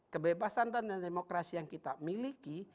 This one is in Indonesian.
kebebasan dan demokrasi yang kita miliki